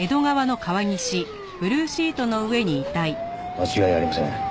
間違いありません。